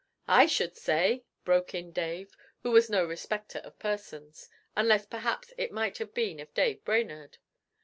'I should say!' broke in Dave, who was no respecter of persons, unless perhaps it might have been of Dave Brainerd.